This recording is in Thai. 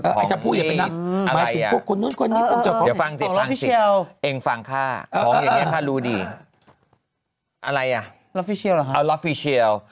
คุณนู้นคนนี้เองฟังข้าของอย่างนี้ข้ารู้ดีอะไรอ่ะอัลลอฟฟิเชียล